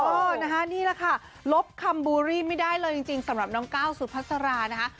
นะคะนี่แหละค่ะลบคำบูรี่ไม่ได้เลยจริงสำหรับน้องก้าวสุพัสรานะคะ